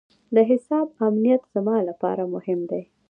د حساب امنیت زما لپاره مهم دی.